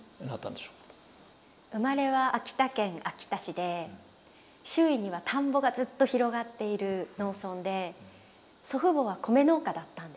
生まれは秋田県秋田市で周囲には田んぼがずっと広がっている農村で祖父母は米農家だったんです。